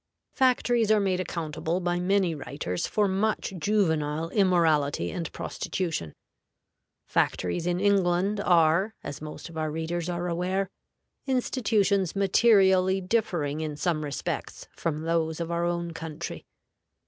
FACTORIES are made accountable by many writers for much juvenile immorality and prostitution. Factories in England are, as most of our readers are aware, institutions materially differing in some respects from those of our own country.